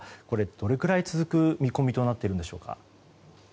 どれくらい続く見込みとなっているのでしょうか。